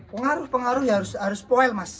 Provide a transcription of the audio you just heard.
pengaruh pengaruh ya harus poil mas